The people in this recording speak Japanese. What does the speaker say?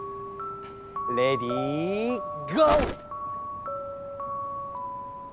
レディーゴー！